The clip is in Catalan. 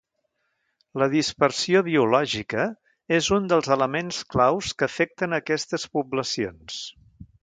La dispersió biològica és un dels elements claus que afecten aquestes poblacions.